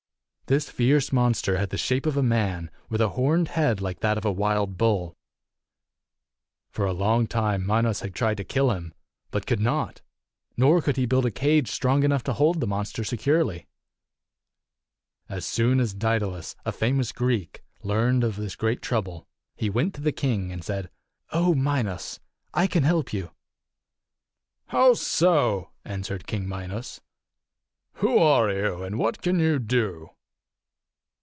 This fierce monster had the shape of a man, with a horned head like that of a wild bull. For a long time Minos had tried to kill him, but could not; nor could he build a cage strong enough to hold the monster securely. As soon as Daedalus, a famous Greek, learned of this great trouble, he went to the king and said, " O King Minos ! I can help you !" "How so?" answered King Minos. "Who are you, and what can you do?"